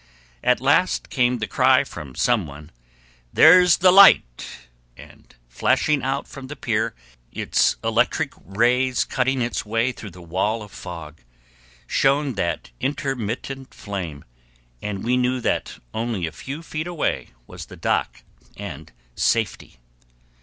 At last came the cry from some one, "There's the light," and flashing out from the pier, its electric rays cutting its way through the wall of fog, shone that intermittent flame, and we knew that only a few feet away was the dock and safety.